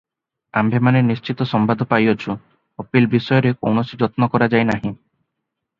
ଆମ୍ଭେମାନେ ନିଶ୍ଚିତ ସମ୍ବାଦ ପାଇଅଛୁ, ଅପିଲ୍ ବିଷୟରେ କୌଣସି ଯତ୍ନ କରାଯାଇନାହିଁ ।